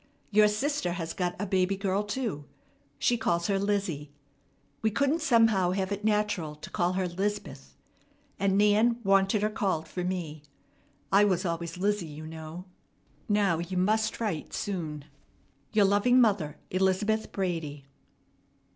Your sister has got a baby girl too. She calls her Lizzie. We couldn't somehow have it natural to call her 'Lizabeth, and Nan wanted her called for me. I was always Lizzie, you know. Now you must write soon. "Your loving mother, ELIZABETH BRADY."